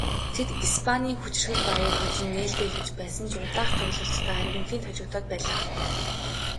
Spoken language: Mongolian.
Тэд Испанийн хүчирхэг багийг хожин нээлтээ хийж байсан ч удаах тоглолтдоо Аргентинд хожигдоод байлаа.